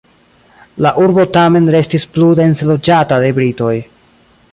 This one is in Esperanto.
La urbo tamen restis plu dense loĝata de britoj.